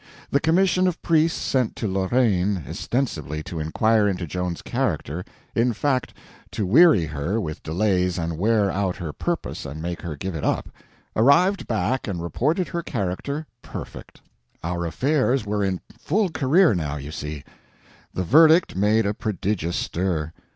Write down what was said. The commission of priests sent to Lorraine ostensibly to inquire into Joan's character—in fact to weary her with delays and wear out her purpose and make her give it up—arrived back and reported her character perfect. Our affairs were in full career now, you see. The verdict made a prodigious stir.